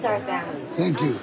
サンキュー。